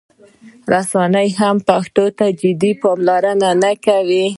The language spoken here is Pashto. رسنۍ هم پښتو ته جدي پاملرنه نه کوي.